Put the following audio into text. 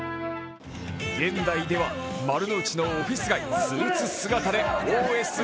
現代では丸の内のオフィス街スーツ姿でオーエス！